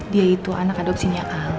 dia itu anak adopsinya al